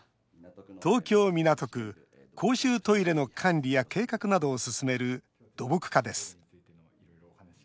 東京・港区、公衆トイレの管理や計画などを進める土木課です。